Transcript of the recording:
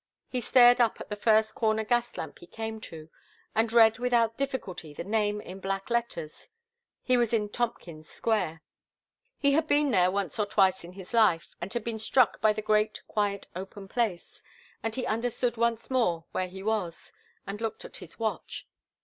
He stared up at the first corner gas lamp he came to, and read without difficulty the name in black letters. He was in Tompkins Square. He had been there once or twice in his life, and had been struck by the great, quiet, open place, and he understood once more where he was, and looked at his watch.